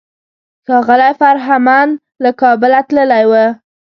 ښاغلی فرهمند له کابله تللی و.